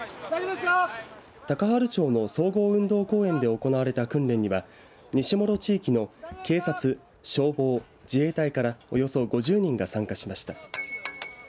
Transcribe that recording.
高原町の総合運動公園で行われた訓練には西諸地域の警察、消防、自衛隊からおよそ５０人が参加しました。